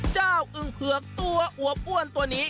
อึงเผือกตัวอวบอ้วนตัวนี้